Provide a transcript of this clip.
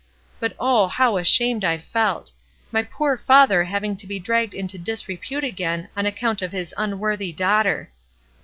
But oh, how ashamed I felt ! My poor father having to be dragged into disrepute again on account of his imworthy daughter.